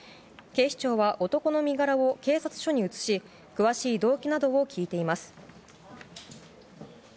警視庁は男の身柄を警察署に移し詳しい動機などを聞いています。